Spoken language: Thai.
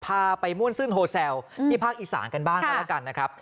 พาไปม่วนซื่นโฮแซลที่ภาคอีสานกันบ้างก็แล้วกันนะครับ